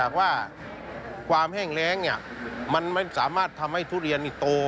ความแห้งแร้งนี่มันสามารถทำให้ทุเรียนนี่โต